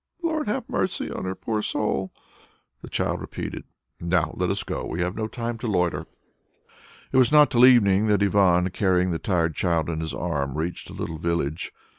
'" "Lord, have mercy on her poor soul," the child repeated. "Now let us go on. We have no time to loiter." It was not till evening that Ivan, carrying the tired child on his arm, reached a little village.